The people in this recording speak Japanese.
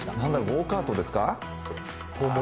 ゴーカートですか？